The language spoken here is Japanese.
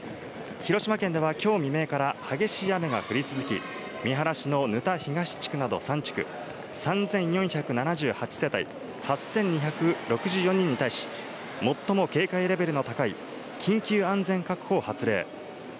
広島県では今日未明から激しい雨が降り続き、三原市の沼田東地区など３地区、３４７８世帯８２６４人に対し最も警戒レベルの高い緊急安全確保を発令。